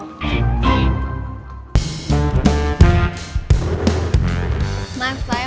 sana gue kejer aja tuh gebetan lo